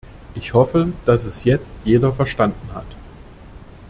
Ich hoffe, dass es jetzt jeder verstanden hat.